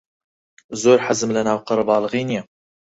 زۆر حەزم لەناو قەرەباڵغی نییە.